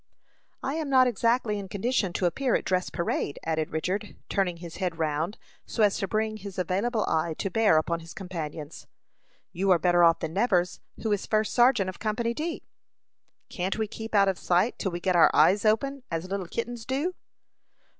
"I am not exactly in condition to appear at dress parade," added Richard, turning his head round, so as to bring his available eye to bear upon his companions. "You are better off than Nevers, who is first sergeant of Company D." "Can't we keep out of sight till we get our eyes open, as little kittens do?"